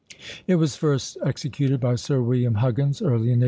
It was first executed by Sir William Huggins early in 1868.